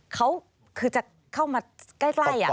เขาคือจะเข้ามาใกล้